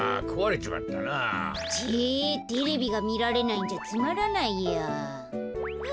ちぇっテレビがみられないんじゃつまらないや。